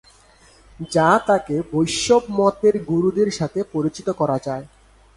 যা তাকে বৈষ্ণব মতের গুরুদের সাথে পরিচিত করায়।